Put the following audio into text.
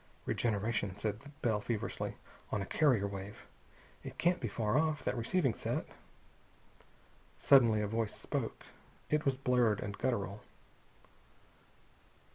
"Regeneration," said Bell feverishly, "on a carrier wave. It can't be far off, that receiving set." Suddenly a voice spoke. It was blurred and guttural.